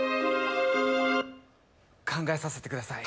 考えさせてください。